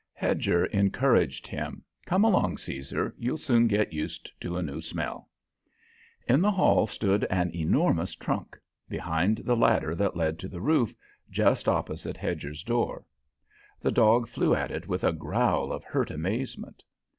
Hedger encouraged him. "Come along, Caesar. You'll soon get used to a new smell." In the hall stood an enormous trunk, behind the ladder that led to the roof, just opposite Hedger's door. The dog flew at it with a growl of hurt amazement.